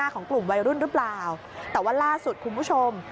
ของกลุ่มวัยรุ่นหรือเปล่าแต่ว่าล่าสุดคุณผู้ชม